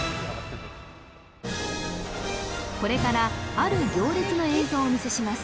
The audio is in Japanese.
これからある行列の映像をお見せします